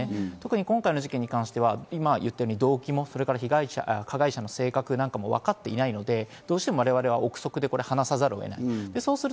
今回の事件で言えば、動機や加害者の性格もわかっていないので、どうしても我々は臆測で話さざるを得ない。